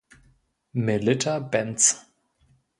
Melitta Benz